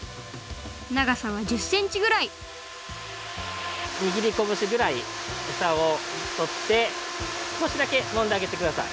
ながさは１０センチぐらいにぎりこぶしぐらいエサをとってすこしだけもんであげてください。